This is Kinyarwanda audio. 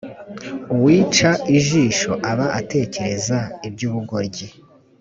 Uwica ijisho aba atekereza iby ‘ubugoryi .